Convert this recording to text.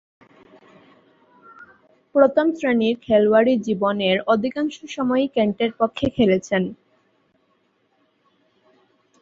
প্রথম-শ্রেণীর খেলোয়াড়ী জীবনের অধিকাংশ সময়ই কেন্টের পক্ষে খেলেছেন।